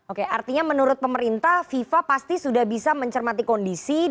oke artinya menurut pemerintah fifa sudah mencermati apa yang sedang terjadi